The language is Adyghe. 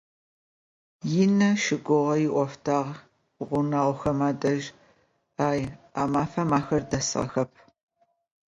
Янэ щыгъухьэ ыӏофтагъ гъунэгъухэм адэжь, ау а мафэм ахэр дэсыгъэхэп.